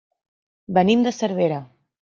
Venim de Cervera.